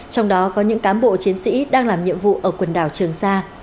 trong đó có những cán bộ chiến sĩ đang làm nhiệm vụ ở quần đảo trường sa